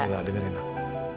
mila dengerin aku